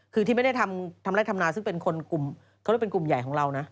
คือที่ไม่ได้ทำทำไรทำนานซึ่งเป็นกลุ่มใหญ่ของเรา